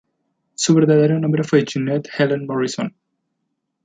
Su verdadero nombre fue Jeanette Helen Morrison.